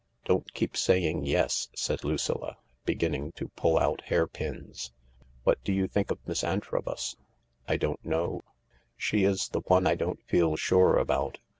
"Don't keep saying 'Yes,'" said Lucilla, beginning to pull out hairpins. " What do you think of Miss Antrobus ?"" I don't know. She is the one I don't feel sure about.